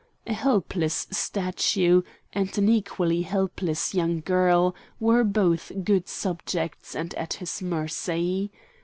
A helpless statue and an equally helpless young girl were both good subjects and at his mercy.